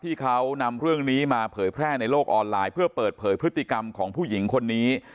ที่เขานำเรื่องนี้มาเผยแพร่ในโลกออนไลน์เพื่อเปิดเผยพฤติกรรมของผู้หญิงคนนี้